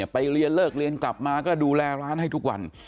ไปเรียนเลิกเรียนกลับมาก็ดูแลร้านให้ทุกวัน